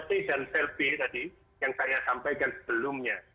t dan sel b tadi yang saya sampaikan sebelumnya